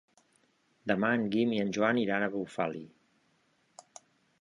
Demà en Guim i en Joan iran a Bufali.